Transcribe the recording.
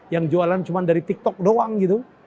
yang jualan cuma dari tiktok doang gitu